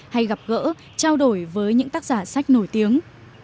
hay gặp gỡ trao đổi với những tác giả sách nổi tiếng